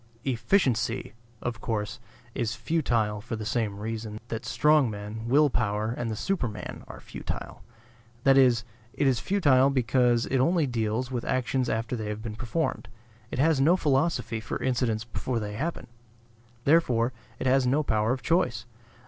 "Efficiency," of course, is futile for the same reason that strong men, will power and the superman are futile. That is, it is futile because it only deals with actions after they have been performed. It has no philosophy for incidents before they happen; therefore it has no power of choice.